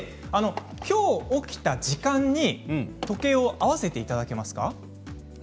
きょう起きた時間に時計を合わせていただけますか？